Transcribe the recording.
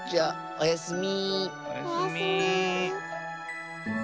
おやすみ。